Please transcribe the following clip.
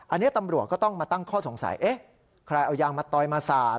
อันนี้ตำรวจก็ต้องมาตั้งข้อสงสัยเอ๊ะใครเอายางมาต่อยมาสาด